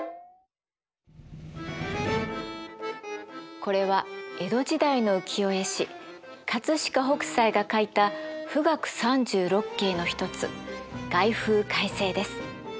これは江戸時代の浮世絵師飾北斎が描いた「富嶽三十六景」の一つ「凱風快晴」です。